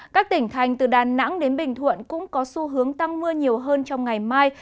các tỉnh thành từ đà nẵng đến bình thuận cũng có xu hướng tăng mưa nhiều hơn trong ngày mai